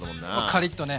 カリッとね。